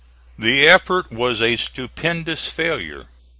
The effort was a stupendous failure.